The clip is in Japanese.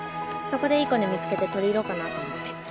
そこでいいコネ見つけて取り入ろうかなと思って。